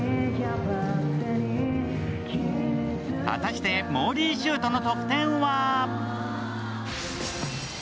果たして、もーりーしゅーとの得点は？